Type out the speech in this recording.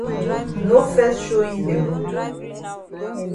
No fes show yi de road.